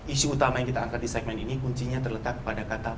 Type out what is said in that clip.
isu utama yang kita angkat di segmen ini kuncinya terletak pada kata